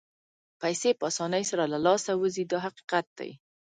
پیسې په اسانۍ سره له لاسه وځي دا حقیقت دی.